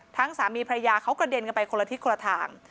สามีพระยาเขากระเด็นกันไปคนละทิศคนละทาง